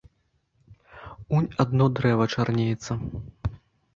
Унь адно дрэва чарнеецца.